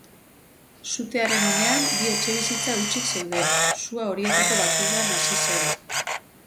Sutearen unean bi etxebizitza hutsik zeuden, sua horietako batean hasi zen.